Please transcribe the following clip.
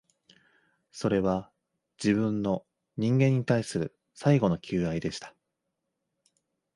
それは、自分の、人間に対する最後の求愛でした